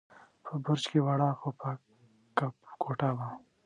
په برج کې وړه، خو پاکه کوټه وه.